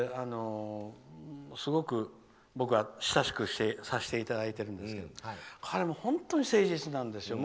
すごく、僕は親しくさせていただいてるんですけど彼も本当に誠実なんです。